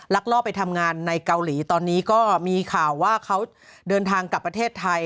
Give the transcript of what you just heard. ลอบไปทำงานในเกาหลีตอนนี้ก็มีข่าวว่าเขาเดินทางกลับประเทศไทย